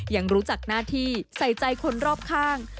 ยังรู้จักหน้าที่ใส่ใจคนรอบข้าง